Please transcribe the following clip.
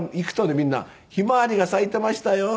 みんな「ヒマワリが咲いてましたよ。